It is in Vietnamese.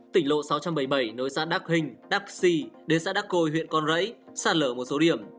tỉnh lộ sáu trăm bảy mươi bảy nối xã đắc hình đắc xì đến xã đắc côi huyện con rẫy sạt lở một số điểm